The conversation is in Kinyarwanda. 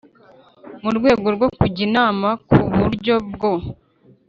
mu rwego rwo kujya inama ku buryo bwo